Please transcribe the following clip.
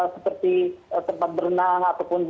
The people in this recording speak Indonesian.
seperti tempat berenang ataupun